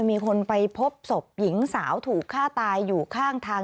มีคนไปพบศพหญิงสาวถูกฆ่าตายอยู่ข้างทาง